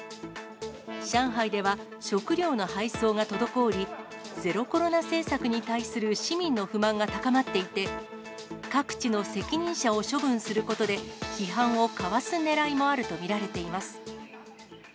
上海では、食料の配送が滞り、ゼロコロナ政策に対する市民の不満が高まっていて、各地の責任者を処分することで批判をかわすねらいもあると見られています。